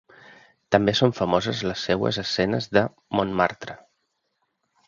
També són famoses les seues escenes de Montmartre.